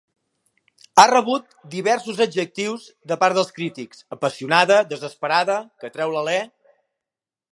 Ha rebut diversos adjectius de part dels crítics: apassionada, desesperada, que treu l'alè.